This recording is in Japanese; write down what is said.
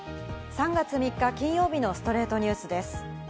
３月３日、金曜日の『ストレイトニュース』です。